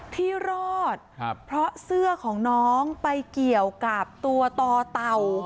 ที่รอดเพราะเสื้อของน้องไปเกี่ยวกับตัวต่อเต่า